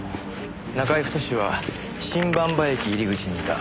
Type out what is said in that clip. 中居太は新馬場駅入り口にいた。